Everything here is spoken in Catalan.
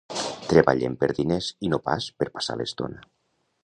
Treballem per diners i no pas per passar l'estona.